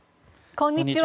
こんにちは。